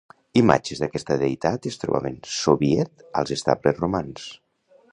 Imatges d'aquesta deïtat es trobaven soviet als estables romans.